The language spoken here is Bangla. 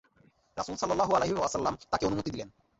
রাসূল সাল্লাল্লাহু আলাইহি ওয়াসাল্লাম তাকে অনুমতি দিলেন।